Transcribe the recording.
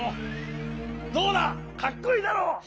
どうだかっこいいだろう。